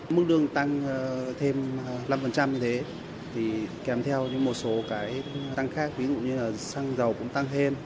mức đương tăng thêm năm như thế thì kèm theo như một số cái tăng khác ví dụ như là xăng dầu cũng tăng thêm